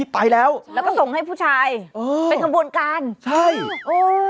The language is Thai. ไปแล้วใช่แล้วก็ส่งให้ผู้ชายเออเป็นขบวนการใช่โอ้ย